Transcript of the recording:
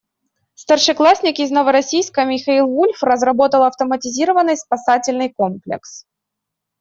Старшеклассник из Новороссийска Михаил Вульф разработал автоматизированный спасательный комплекс.